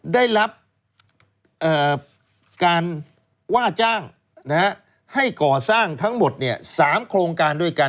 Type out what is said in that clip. ได้รับการว่าจ้างให้ก่อสร้างทั้งหมด๓โครงการด้วยกัน